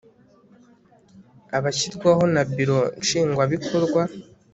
abashyirwaho na Biro Nshingwabikorwa